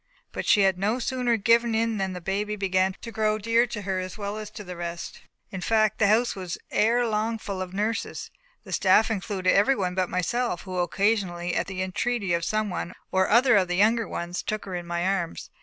But she had no sooner given in than the baby began to grow dear to her as well as to the rest. In fact, the house was ere long full of nurses. The staff included everyone but myself, who only occasionally, at the entreaty of some one or other of the younger ones, took her in my arms.